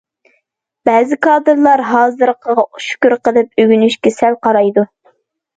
بەزى كادىرلار ھازىرقىغا شۈكۈر قىلىپ، ئۆگىنىشكە سەل قارايدۇ.